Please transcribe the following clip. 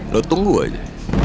lo tunggu aja